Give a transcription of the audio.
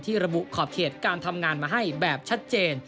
ระบุขอบเขตการทำงานมาให้แบบชัดเจน